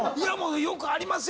よくありますよ！